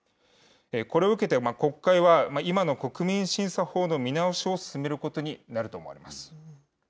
これを受けて、国会は、今の国民審査法の見直しを進めることになると思われます。